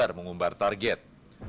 selain mengumbar target